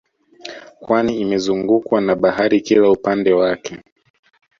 Kwani imezungukwa na bahari kila upande wake